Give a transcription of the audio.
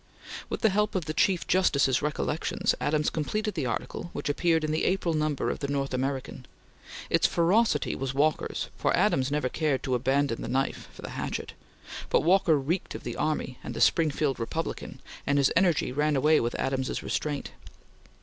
With the help of the Chief Justice's recollections, Adams completed the article, which appeared in the April number of the North American. Its ferocity was Walker's, for Adams never cared to abandon the knife for the hatchet, but Walker reeked of the army and the Springfield Republican, and his energy ran away with Adams's restraint.